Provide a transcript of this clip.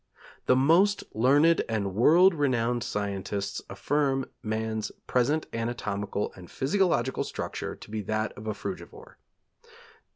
The most learned and world renowned scientists affirm man's present anatomical and physiological structure to be that of a frugivore.